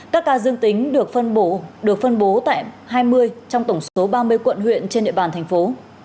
các ca dương tính được phân bố tại hai mươi trong tổng số ba mươi quận huyện trên địa bàn thành phố